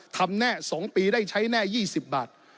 ทำแน่๒ปีได้ใช้แน่๒๐บาท